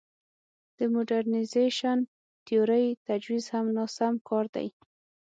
د موډرنیزېشن تیورۍ تجویز هم ناسم کار دی.